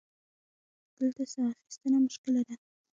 دلته سا اخیستنه مشکله ده.